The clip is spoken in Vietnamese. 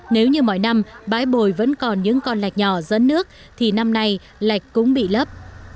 nếu như mọi năm bãi bồi vẫn còn những con lạch nhỏ dẫn nước thì năm nay lạch cũng bị lấp